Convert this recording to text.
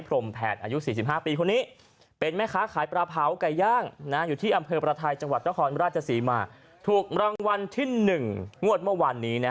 พรมแพทย์อายุ๔๕ปีคนนี้